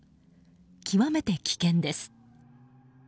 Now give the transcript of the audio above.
極めて危険です。